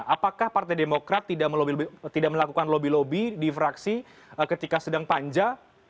apakah partai demokrat tidak melakukan lobby lobby di fraksi ketika sedang panja